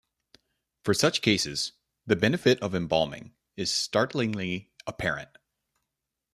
For such cases, the benefit of embalming is startlingly apparent.